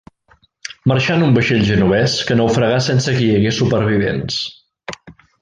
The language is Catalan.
Marxà en un vaixell genovès, que naufragà sense que hi hagués supervivents.